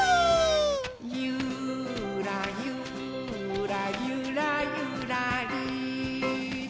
「ゆーらゆーらゆらゆらりー」